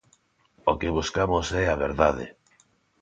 O que buscamos é a verdade.